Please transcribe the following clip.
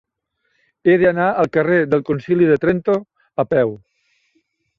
He d'anar al carrer del Concili de Trento a peu.